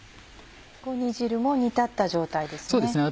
煮汁も煮立った状態ですね。